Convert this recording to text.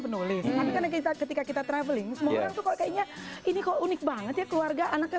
penulis ketika kita traveling semua itu kok kayaknya ini kau unik banget keluarga anaknya